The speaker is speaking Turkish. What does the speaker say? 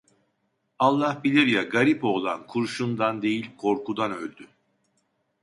Allah bilir ya, garip oğlan kurşundan değil, korkudan öldü.